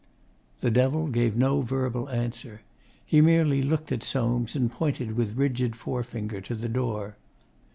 The Devil gave no verbal answer. He merely looked at Soames and pointed with rigid forefinger to the door.